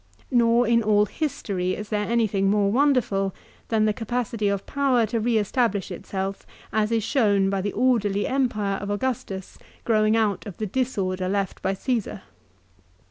Nor in all history is there anything more wonderful than the capacity of power to re establish itself, as is shown by the orderly Empire of Augustus growing out of the disorder left by Caesar.